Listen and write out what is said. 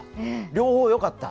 両方よかった。